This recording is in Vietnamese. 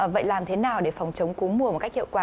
vậy làm thế nào để phòng chống cúm mùa một cách hiệu quả